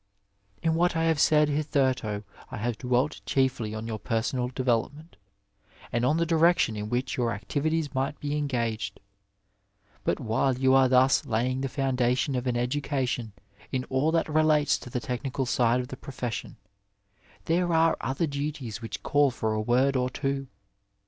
In what I have said hitherto I have dwelt chiefly on your personal development, and on the direction in which your activities might be engaged, but while you are thus laying the foimdation of an education in all that relates to the technical side of the profession, there are other duties which call for a word or two.